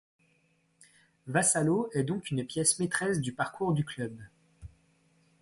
Vassallo est donc une pièce maîtresse du parcours du club.